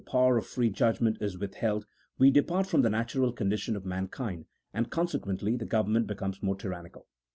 power of free judgment is withheld we depart from the natural condition of mankind, and consequently the govern ment becomes more tyrannical.